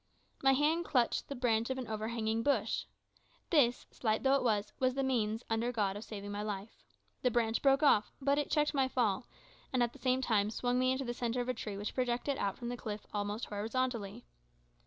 My hand clutched the branch of an overhanging bush. This, slight though it was, was the means, under God, of saving my life. The branch broke off, but it checked my fall, and at the same time swung me into the centre of a tree which projected out from the cliff almost horizontally.